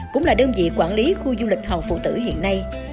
cũng là đơn vị quản lý khu du lịch hòn phụ tử hiện nay